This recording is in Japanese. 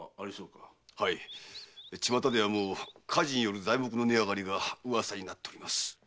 はい巷では火事による材木の値上がりが噂になっております。